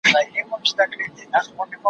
چي ډوب تللی وو د ژوند په اندېښنو کي